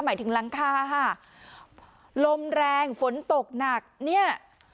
หมายถึงหลังคาค่ะลมแรงฝนตกหนักเนี่ย